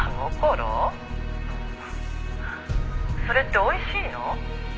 「それっておいしいの？」